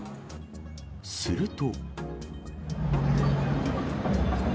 すると。